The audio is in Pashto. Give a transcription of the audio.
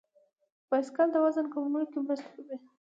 بایسکل د وزن کمولو کې مرسته کوي.